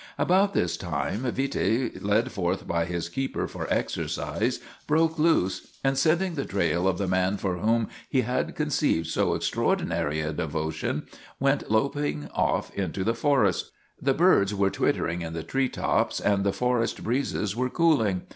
About this time Vite, led forth by his keeper for exercise, broke loose, and, scenting the trail of the man for whom he had conceived so extraordinary a devotion, went loping off into the forest. The birds were twittering in the tree tops and the forest breezes were cooling.